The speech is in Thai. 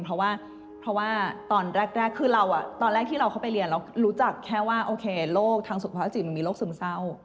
เพราะว่าตอนแรกที่เราเข้าไปเรียนรู้จักแค่ว่าโอเคโลกทางสุขภาษาจีนมีโลกซึมเศร้า